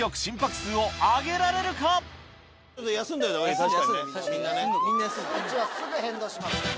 数値はすぐ変動します。